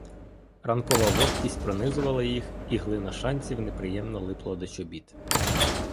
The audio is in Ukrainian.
Ранкова вогкість пронизувала їх і глина шанців неприємно липла до чобіт.